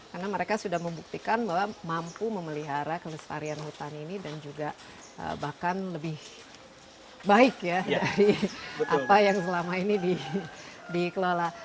karena mereka sudah membuktikan bahwa mampu memelihara kelestarian hutan ini dan juga bahkan lebih baik ya dari apa yang selama ini dikelola